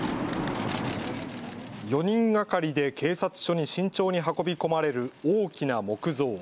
４人がかりで警察署に慎重に運び込まれる大きな木像。